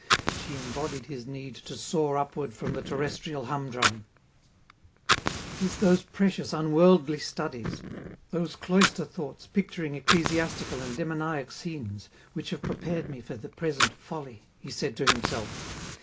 She embodied his need to soar upward from the terrestrial humdrum. "It is those precious unworldly studies, those cloister thoughts picturing ecclesiastical and demoniac scenes, which have prepared me for the present folly," he said to himself.